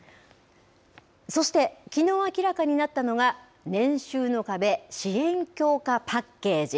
そして、きのう明らかになったのが、年収の壁・支援強化パッケージ。